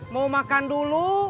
mau makan dulu